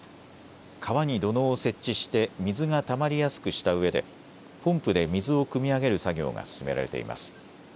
川に土のうを設置して水がたまりやすくしたうえでポンプで水をくみ上げる作業が進められています。